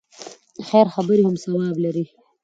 خیر خبرې هم ثواب لري.